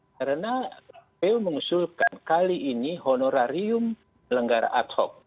karena kpu mengusulkan kali ini honorarium lenggara ad hoc